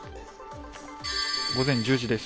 午前１０時です